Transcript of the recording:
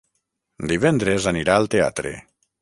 Divendres anirà al teatre.